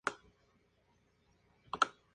El movimiento tiene su sede en la región de Sind.